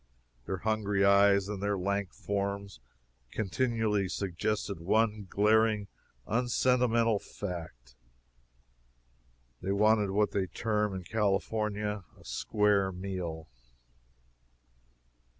Their hungry eyes and their lank forms continually suggested one glaring, unsentimental fact they wanted what they term in California "a square meal."